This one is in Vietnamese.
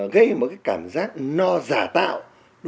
gây một cái cảm giác no giả tạo